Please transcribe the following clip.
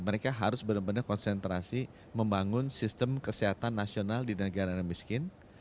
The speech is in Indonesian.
mereka harus benar benar konsentrasi membangun sistem kesehatan nasional di negara miskin